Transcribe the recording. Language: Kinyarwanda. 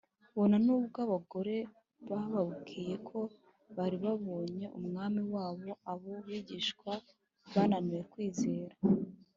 bona nubwo abagore bababwiye ko bari babonye umwami wabo, abo bigishwa bananiwe kwizera